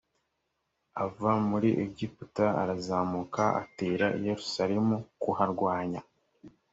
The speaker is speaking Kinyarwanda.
ava muri egiputa arazamuka atera i yerusalemu kuharwanya